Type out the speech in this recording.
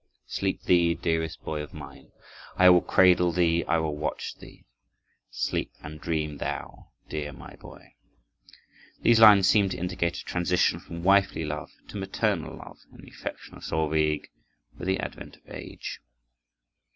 Sleep thee, dearest boy of mine! I will cradle thee, I will watch thee. Sleep and dream thou, dear my boy!" These lines seem to indicate a transition from wifely love to maternal love in the affection of Solveig, with the advent of age.